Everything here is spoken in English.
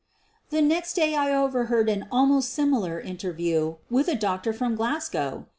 The next day I overheard an almost similar inter view with a doctor from Glasgow!